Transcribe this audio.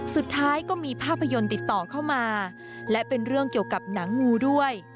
สุดท้ายก็มีภาพยนตร์ติดต่อเข้ามาและเป็นเรื่องเกี่ยวกับหนังงูด้วย